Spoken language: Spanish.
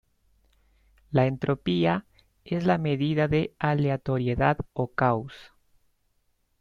La entropía es la medida de aleatoriedad o caos.